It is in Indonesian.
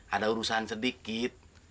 ada urusan sedikit